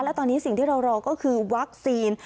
และตอนนี้สิ่งที่เรารอก็คือวัคซีน